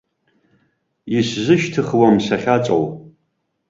Исзышьҭыхуам сахьаҵоу.